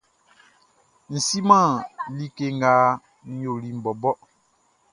N siman like nga n yoliʼn bɔbɔ.